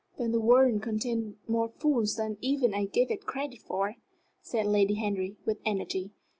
"Then the world contains more fools than even I give it credit for!" said Lady Henry, with energy.